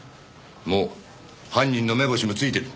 もう犯人の目星もついてる。